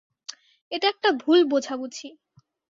এটা একটা ভুল বোঝবুঝি।